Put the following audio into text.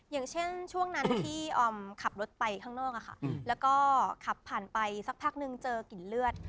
อย่างเช่นช่วงนั้นที่ออมขับรถไปข้างนอกแล้วก็ขับผ่านไปสักพักนึงเจอกลิ่นเลือด